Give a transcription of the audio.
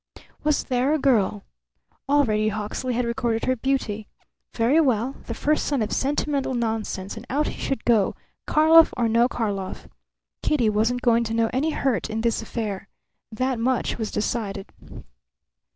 Was there a girl! Already Hawksley had recorded her beauty. Very well; the first sign of sentimental nonsense, and out he should go, Karlov or no Karlov. Kitty wasn't going to know any hurt in this affair. That much was decided.